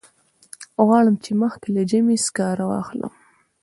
غواړم چې مخکې له ژمي سکاره واخلم.